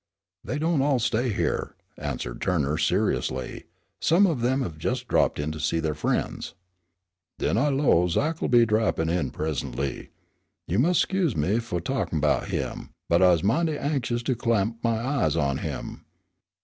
"They don't all stay here," answered Turner seriously; "some of them have just dropped in to see their friends." "Den I 'low Zach'll be drappin' in presently. You mus' 'scuse me fu' talkin' 'bout him, but I's mighty anxious to clap my eyes on him.